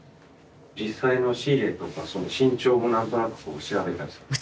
実際のシーレとかその身長も何となく調べたりするんですか？